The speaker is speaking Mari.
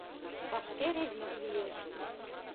Вашке ревиз лиеш.